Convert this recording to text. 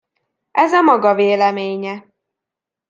Ez a maga véleménye.